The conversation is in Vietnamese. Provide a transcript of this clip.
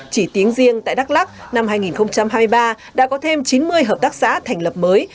chỉ tiếng riêng tại đắk lắc năm hai nghìn hai mươi ba đã có thêm chín mươi hợp tác xã thành lập mới